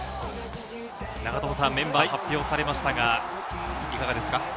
メンバー発表されましたが、いかがですか？